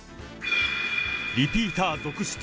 リピーター続出。